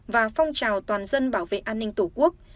và phong trào toàn dân bảo vệ an ninh tổ quốc